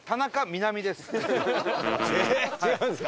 違うんですか？